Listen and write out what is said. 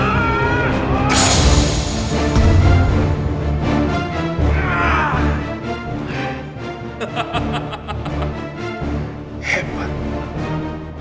hati akan melumatmu